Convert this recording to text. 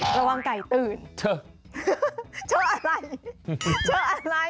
ระวังไก่ตื่นเฉอะเฉอะอะไรเฉอะอะไร